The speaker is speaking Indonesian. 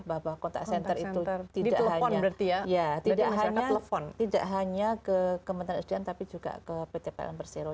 bahwa kontak senter itu tidak hanya ke kementerian sdm tapi juga ke pt pln persero